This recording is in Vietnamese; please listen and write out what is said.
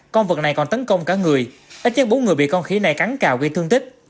con vật này còn tấn công cả người ít nhất bốn người bị con khỉ này cắn cào gây thương tích